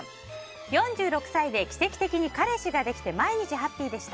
４６歳で奇跡的に彼氏ができて毎日ハッピーでした。